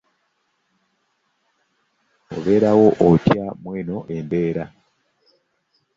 Obeerawo otya mweno embeera?